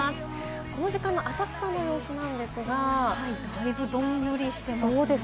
この時間の浅草の様子ですが、だいぶどんよりしていますね。